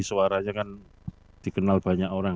suaranya kan dikenal banyak orang